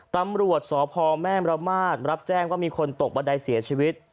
ตำรวจสพแม่มรมาศรับแจ้งว่ามีคนตกบันไดเสียชีวิต